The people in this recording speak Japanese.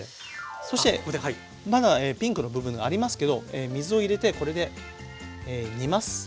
そしてまだピンクの部分がありますけど水を入れてこれで煮ます。